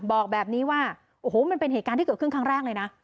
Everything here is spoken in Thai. บอกแบบนี้ว่าโอ้โหมันเป็นเหตุการณ์ที่เกิดขึ้นครั้งแรกเลยนะ